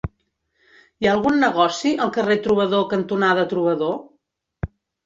Hi ha algun negoci al carrer Trobador cantonada Trobador?